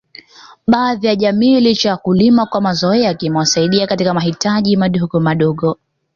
Baadhi ya jamii licha ya kulima kwa mazoea kimewasaidia katika mahitaji madogo madogo